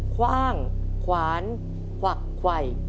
คว่างขวานควักไขว